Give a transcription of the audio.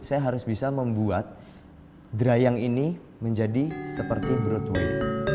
saya harus bisa membuat drying ini menjadi seperti broadway